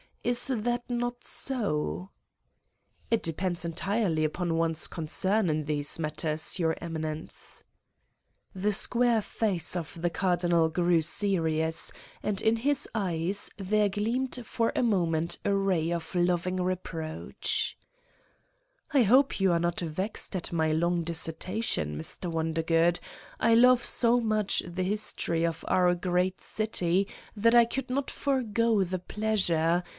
Is that not so ?" "It depends entirely upon one's concern in these matters, Your Eminence." ^Satan's Diary The square face of the Cardinal grew serious, and in his eyes there gleamed for a moment a ray of loving reproach : "I hope you are not vexed at my long disserta tion, Mr. Woridergood. I love so much the his tory of our great city that I could not forego the pleasure